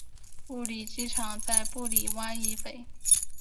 布利机场在布利湾以北。